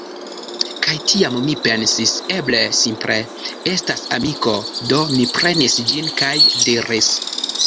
Kaj tiam mi pensis: "Eble simple estas amiko?" do mi prenis ĝin, kaj diris: